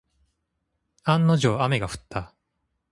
案の定、雨が降った。